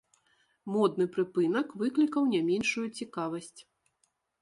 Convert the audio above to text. Модны прыпынак выклікаў не меншую цікавасць.